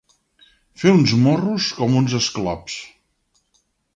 Fer uns morros com uns esclops.